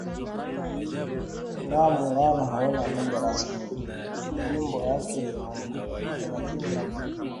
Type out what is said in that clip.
Ingawa Muungano hauna lugha rasmi majimbo yake thelathini na mbili